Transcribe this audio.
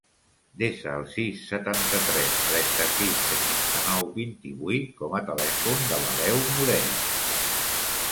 Desa el sis, setanta-tres, trenta-sis, seixanta-nou, vint-i-vuit com a telèfon de l'Aleu Morey.